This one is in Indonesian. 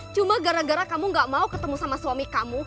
cuma gara gara kamu gak mau ketemu sama suami kamu